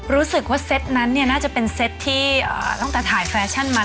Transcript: รู้สึกว่าเซตนั้นน่าจะเป็นเซตที่ตั้งแต่ถ่ายแฟชั่นมา